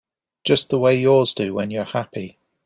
Just the way yours do when you're happy.